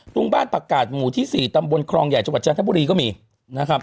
ตรงบ้านประกาศหมู่ที่๔ตำบลครองใหญ่จังหวัดจันทบุรีก็มีนะครับ